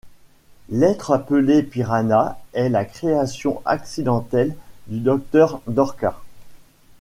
L'être appelé Piranha est la création accidentelle du Docteur Dorcas.